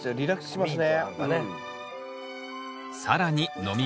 きますね。